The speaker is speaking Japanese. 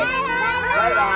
バイバイ！